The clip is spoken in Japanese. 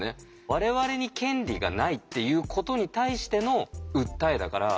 我々に権利がないっていうことに対しての訴えだから。